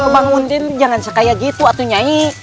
bangun jangan sekaya gitu nyai